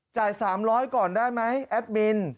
๓๐๐ก่อนได้ไหมแอดมิน